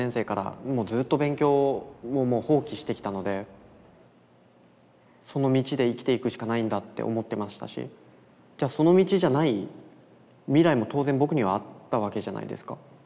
僕も当然その道で生きていくしかないんだって思ってましたしその道じゃない未来も当然僕にはあったわけじゃないですか。